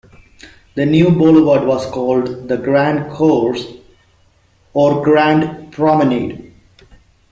The new boulevard was called the "Grand Cours", or "Grand Promenade".